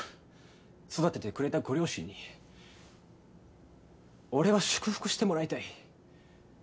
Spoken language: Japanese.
育ててくれたご両親に俺は祝福してもらいたい。